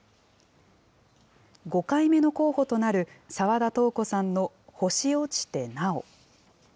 ５回目の候補となる澤田瞳子さんの星落ちて、なお。